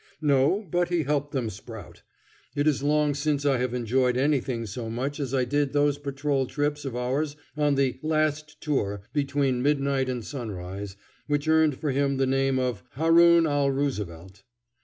No, but he helped them sprout. It is long since I have enjoyed anything so much as I did those patrol trips of ours on the "last tour" between midnight and sunrise, which earned for him the name of Haroun al Roosevelt.